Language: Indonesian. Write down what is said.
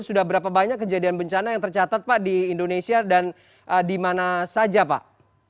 sudah berapa banyak kejadian bencana yang tercatat pak di indonesia dan di mana saja pak